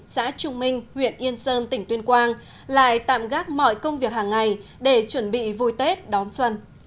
xã trung minh huyện yên sơn tỉnh tuyên quang lại tạm gác mọi công việc hàng ngày để chuẩn bị vui tết đón xuân